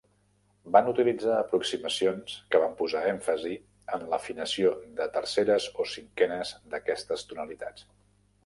Van utilitzar aproximacions que van posar èmfasi en l'afinació de terceres o cinquenes d'aquestes tonalitats.